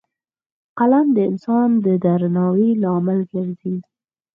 قلم د انسان د درناوي لامل ګرځي